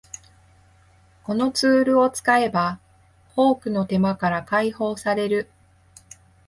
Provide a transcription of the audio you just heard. このツールを使えば多くの手間から解放される